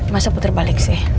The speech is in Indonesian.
masa puter balik sih